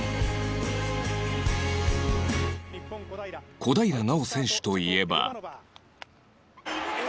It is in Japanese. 小平奈緒選手といえば